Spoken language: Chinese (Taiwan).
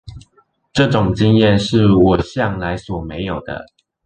這種經驗是我向來所沒有的